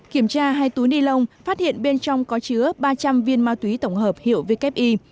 kiểm tra hai túi ni lông phát hiện bên trong có chứa ba trăm linh viên ma túy tổng hợp hiệu vki